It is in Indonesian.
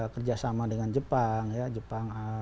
kerjasama dengan jepang ya jepang